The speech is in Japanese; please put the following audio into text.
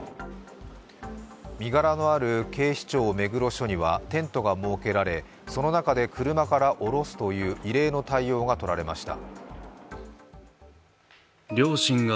身柄がある警視庁目黒署にはテントが設けられ、その中で車から降ろすという異例の対応が取られました。